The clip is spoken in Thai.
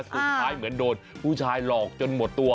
สุดท้ายเหมือนโดนผู้ชายหลอกจนหมดตัว